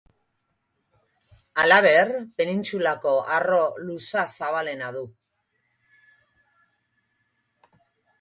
Halaber, Penintsulako arro luza-zabalena du.